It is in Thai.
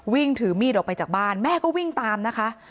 วิ่งถือมีดออกไปจากบ้านแม่ก็วิ่งตามนะคะ